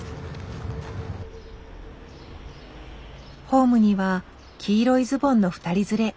ホームには黄色いズボンの２人連れ。